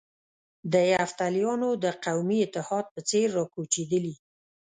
د یفتلیانو د قومي اتحاد په څېر را کوچېدلي.